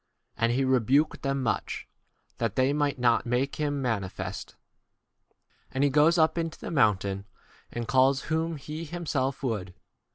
And he rebuked them much, that they might not make him manifest. 13 And he goes up into the moun tain, 1 * and calls whom he himself « T. B.